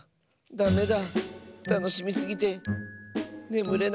ダメだ。